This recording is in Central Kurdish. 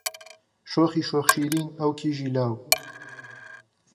شۆخی شۆخ شیرن ئەو کیژی لاو